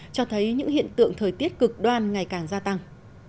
cho thấy những hiện tượng thời tiết cực đoan ngày càng gia tăng